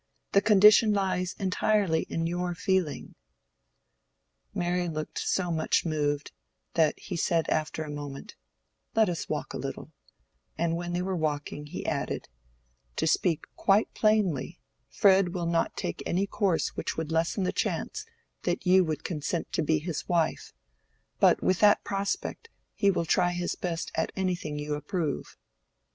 The condition lies entirely in your feeling." Mary looked so much moved, that he said after a moment, "Let us walk a little;" and when they were walking he added, "To speak quite plainly, Fred will not take any course which would lessen the chance that you would consent to be his wife; but with that prospect, he will try his best at anything you approve."